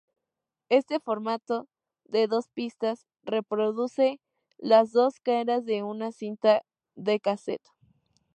Este formato de dos pistas reproduce las dos caras de una cinta de casete.